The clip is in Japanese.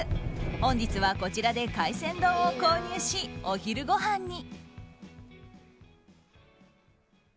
本日は、こちらで海鮮丼を購入しお昼ごはんに。